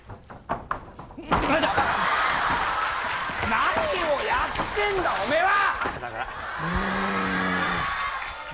何をやってんだお前は！